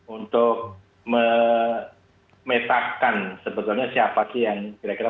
untuk memetakan sebetulnya siapa sih yang kira kira